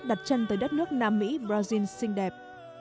đặt chân tới đất nước nam mỹ brazil xinh đẹp